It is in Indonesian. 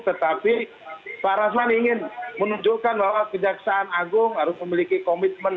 tetapi pak rasman ingin menunjukkan bahwa kejaksaan agung harus memiliki komitmen